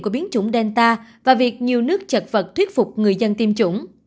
của biến chủng delta và việc nhiều nước chật vật thuyết phục người dân tiêm chủng